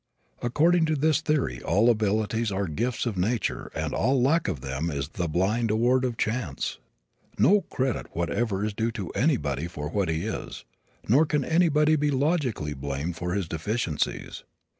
According to this theory all abilities are the gifts of nature and all lack of them is the blind award of chance. No credit whatever is due to anybody for what he is, nor can anybody be logically blamed for his deficiencies.